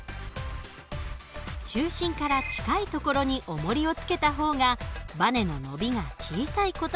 中心から近いところに重りを付けた方がバネの伸びが小さい事が分かります。